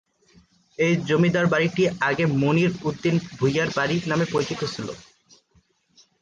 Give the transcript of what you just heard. এই জমিদার বাড়িটি আগে মনির উদ্দিন ভূঁইয়া বাড়ি নামে পরিচিত ছিল।